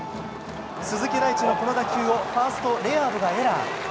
鈴木大地のこの打球をファースト、レアードがエラー。